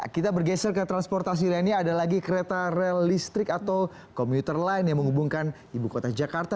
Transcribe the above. kita bergeser ke transportasi lainnya ada lagi kereta rel listrik atau komuter lain yang menghubungkan ibu kota jakarta